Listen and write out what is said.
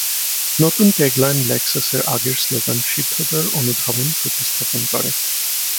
নতুন ট্যাগলাইন লেক্সাসের আগের স্লোগান "সিদ্ধতার অনুধাবন" প্রতিস্থাপন করে।